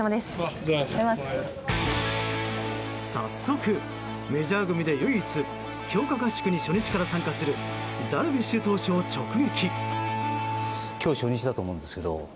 早速、メジャー組で唯一強化合宿に初日から参加するダルビッシュ投手を直撃。